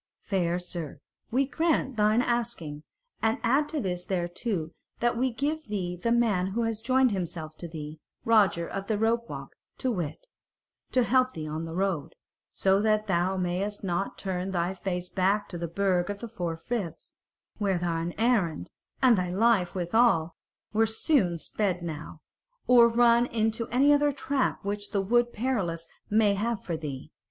"Fair sir, we grant thine asking; and add this thereto that we give thee the man who has joined himself to thee, Roger of the Rope walk to wit, to help thee on the road, so that thou mayst not turn thy face back to the Burg of the Four Friths, where thine errand, and thy life withal, were soon sped now, or run into any other trap which the Wood Perilous may have for thee.